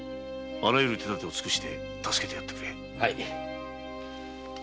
あらゆる手だてを尽くして助けてやってくれ。